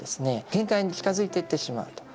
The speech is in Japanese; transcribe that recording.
限界に近づいていってしまうと。